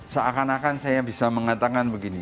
seakan akan saya bisa mengatakan begini